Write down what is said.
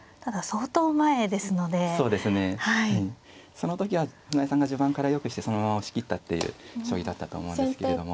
その時は船江さんが序盤からよくしてそのまま押し切ったっていう将棋だったと思うんですですけれども。